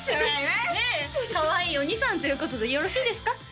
ねえかわいい鬼さんということでよろしいですか？